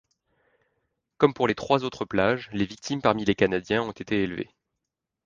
Comme pour les trois autres plages, les victimes parmi les canadiens ont été élevés.